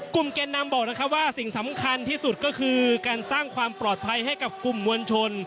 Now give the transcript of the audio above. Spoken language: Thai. แก่นำบอกนะครับว่าสิ่งสำคัญที่สุดก็คือการสร้างความปลอดภัยให้กับกลุ่มมวลชน